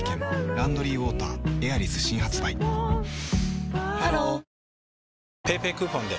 「ランドリーウォーターエアリス」新発売ハロー ＰａｙＰａｙ クーポンで！